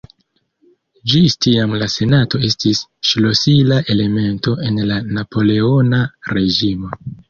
Ĝis tiam la Senato estis ŝlosila elemento en la Napoleona reĝimo.